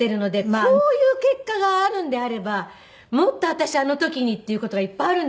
こういう結果があるんであればもっと私あの時にっていう事がいっぱいあるんですよ。